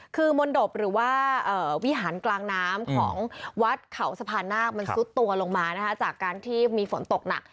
คือมนตบหรือว่าวิหารกลางน้ำของวัดเขาสะพานนาคมันซุดตัวลงมานะคะจากการที่มีฝนตกหนัก